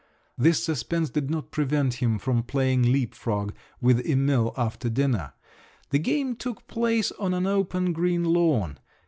This suspense did not prevent him from playing leap frog with Emil after dinner. The game took place on an open green lawn.